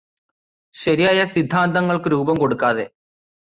ശരിയായ സിദ്ധാന്തങ്ങൾക്ക് രൂപംകൊടുക്കാതെ.